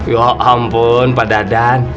ya ampun pak dadan